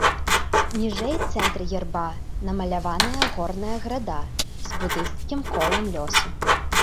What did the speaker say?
Ніжэй цэнтра герба намаляваная горная града, з будысцкім колам лёсу.